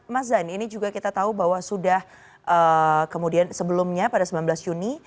mas zain ini juga kita tahu bahwa sudah kemudian sebelumnya pada sembilan belas juni